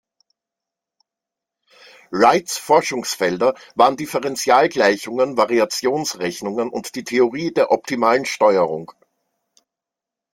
Reids Forschungsfelder waren Differentialgleichungen, Variationsrechnung und die Theorie der optimalen Steuerung.